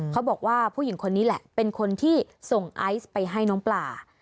เขาบอกว่าผู้หญิงคนนี้แหละเป็นคนที่ส่งไอซ์ไปให้น้องปลา